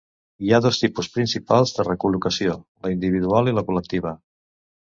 Hi ha dos tipus principals de recol·locació, la individual i la col·lectiva.